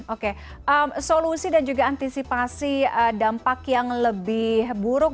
oke solusi dan juga antisipasi dampak yang lebih buruk